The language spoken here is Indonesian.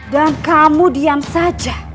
dan kamu diam saja